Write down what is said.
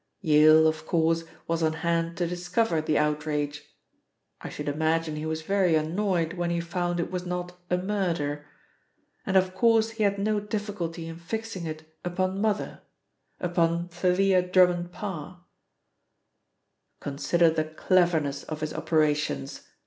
Yale, of course, was on hand to discover the outrage (I should imagine he was very annoyed when he found it was not a murder), and of course he had no difficulty in fixing it upon mother upon Thalia Drummond Parr. "Consider the cleverness of his operations!"